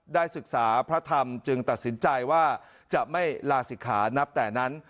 ได้ศึกษาพระธรรมจึงตัดสินใจว่าจะไม่ลาศิกขานับแต่นั้น